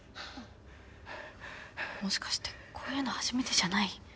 もしかしてこういうの初めてじゃない！？